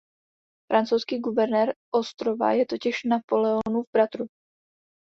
Francouzský guvernér ostrova je totiž Napoleonův bratr.